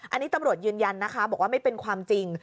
อันนี้ตำรวจยืนยันนะคะบอกว่าไม่เป็นความจริง